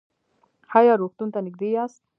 ایا روغتون ته نږدې یاست؟